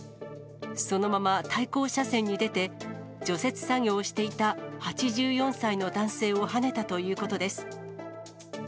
そのまま対向車線に出て、除雪作業をしていた８４歳の男性をはねたということです。